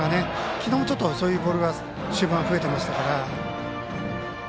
昨日ちょっとそういうボールが終盤増えてきましたから。